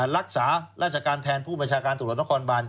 รักษาราชการแทนผู้บัญชาการตำรวจนครบาน